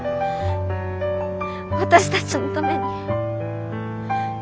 私たちのために。